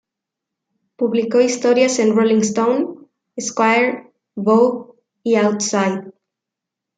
Publicó historias en "Rolling Stone", "Esquire", "Vogue" y "Outside".